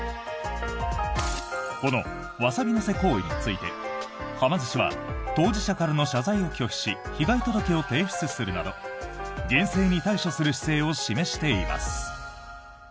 このワサビ乗せ行為についてはま寿司は当事者からの謝罪を拒否し被害届を提出するなど厳正に対処する姿勢を示しています。